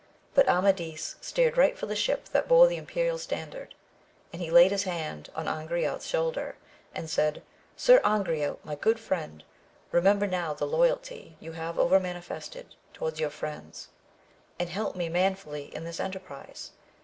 But Amadis steered right for the ship that bore the imperial standard : and he laid his hand on Angriote's shoulder, and said, Sir Angriote, my good friend, remember now the loyalty you have ever manifested toward your friends, and help me manfully in this enterprize.